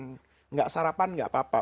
tidak sarapan nggak apa apa